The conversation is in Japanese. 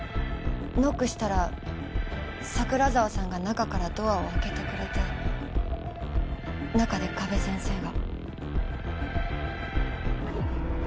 ノックしたら桜沢さんが中からドアを開けてくれて中で加部先生が。